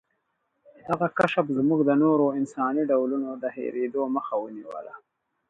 دغه کشف زموږ د نورو انساني ډولونو د هېرېدو مخه ونیوله.